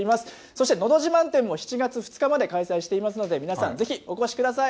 そしてのど自慢展も７月２日まで開催していますので、皆さん、ぜひお越しください。